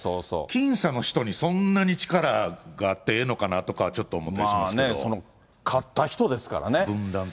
僅差の人にそんなに力があってええのかなとか、ちょっと思ったりまあね、勝った人ですからね。